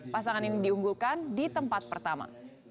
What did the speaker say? pasangan ini diunggulkan di tempat pertama